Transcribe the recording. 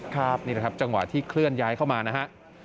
ครับนี่แหละครับจังหวะที่เคลื่อนย้ายเข้ามานะฮะ